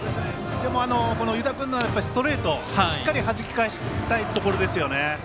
湯田君のストレートをしっかりはじき返したいところです。